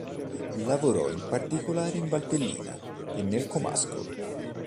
Lavorò in particolare in Valtellina e nel comasco.